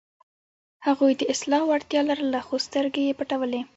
هغوی د اصلاح وړتیا لرله، خو سترګې یې پټولې.